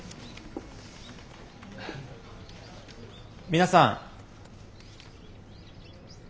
皆さん。